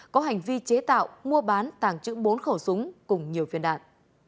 có hành vi chế tạo mua bán tàng trữ bốn khẩu súng cùng nhiều phiên đạn